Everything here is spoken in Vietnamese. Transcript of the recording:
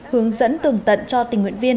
hướng dẫn tường tận cho tình nguyện viên